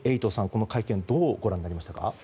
この会見をどうご覧になりましたか。